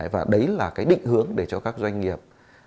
và đấy là cái định hướng để cho các doanh nghiệp